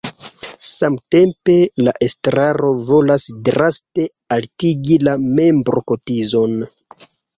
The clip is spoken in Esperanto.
Samtempe la estraro volas draste altigi la membrokotizon.